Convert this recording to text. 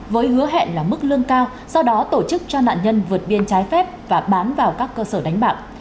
với hứa hẹn là mức lương cao sau đó tổ chức cho nạn nhân vượt biên trái phép và bán vào các cơ sở đánh bạc